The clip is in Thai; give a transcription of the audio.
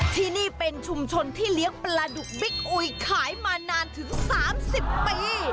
ที่นี่เป็นชุมชนที่เลี้ยงปลาดุกบิ๊กอุยขายมานานถึง๓๐ปี